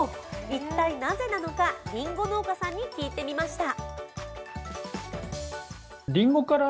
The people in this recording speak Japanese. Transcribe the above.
一体なぜなのかりんご農家さんに聞いてみました。